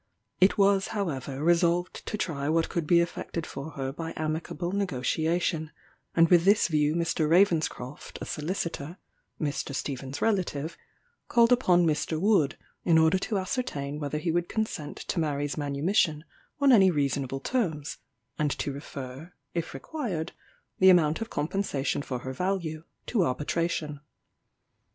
It was, however, resolved to try what could be effected for her by amicable negotiation; and with this view Mr. Ravenscroft, a solicitor, (Mr. Stephen's relative,) called upon Mr. Wood, in order to ascertain whether he would consent to Mary's manumission on any reasonable terms, and to refer, if required, the amount of compensation for her value to arbitration.